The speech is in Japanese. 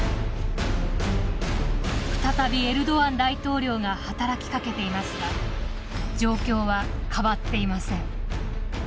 再びエルドアン大統領が働きかけていますが状況は変わっていません。